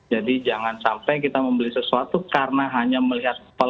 jadi jangan sampai kita membeli sesuatu karena hanya melihat peluang